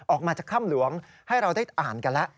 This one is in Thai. ออกมาจากถ้ำหลวงให้เราได้อ่านกันแล้ว